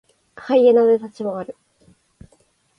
ハイエナで立ち回る。